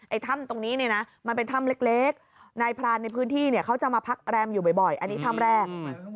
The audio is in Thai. ถ้ำตรงนี้เนี่ยนะมันเป็นถ้ำเล็กนายพรานในพื้นที่เนี่ยเขาจะมาพักแรมอยู่บ่อยอันนี้ถ้ำแรก